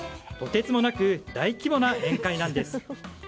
とてつもなく大規模な宴会なんです。